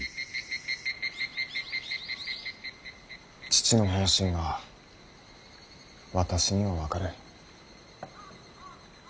父の本心が私には分かる。